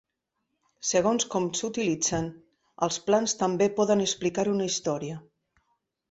Segons com s'utilitzen, els plans també poden explicar una història.